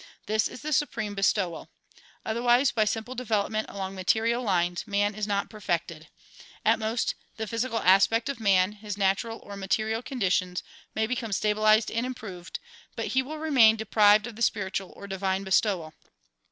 This is the supreme bestowal. Otherwise, by simple development along material lines man is not perfected. At most, the physical aspect of man, his natural or ma terial conditions may become stabilized and improved but he Avill DISCOUKSES DELIVEKED IN WASIiIN(;TON 57 remain deprived of the spiritual or divine bestowal.